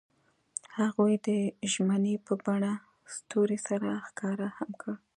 هغوی د ژمنې په بڼه ستوري سره ښکاره هم کړه.